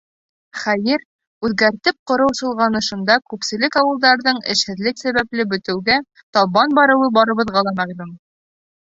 Хәйер, үҙгәртеп ҡороу солғанышында күпселек ауылдарҙың эшһеҙлек сәбәпле бөтөүгә табан барыуы барыбыҙға ла мәғлүм.